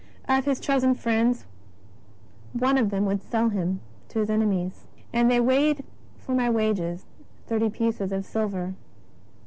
* One of His chosen friends would sell Him to His enemies: ^'And they weighed for My wages thirty I)ieces of silver."